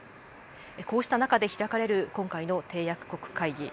こうした中で開かれる今回の締約国会議。